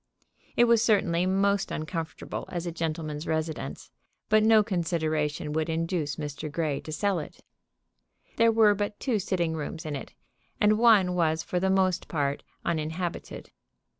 It was certainly most uncomfortable as a gentleman's residence, but no consideration would induce Mr. Grey to sell it. There were but two sitting rooms in it, and one was for the most part uninhabited.